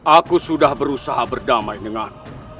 aku sudah berusaha berdamai denganmu